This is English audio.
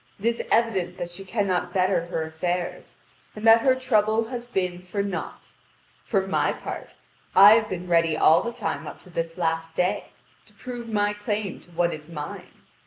It is evident that she cannot better her affairs, and that her trouble has been for naught. For my part, I have been ready all the time up to this last day, to prove my claim to what is mine.